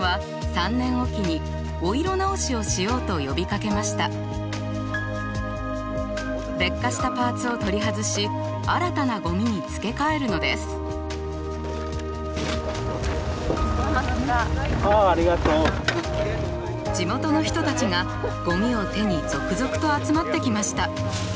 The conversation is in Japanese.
地元の人たちがゴミを手に続々と集まってきました。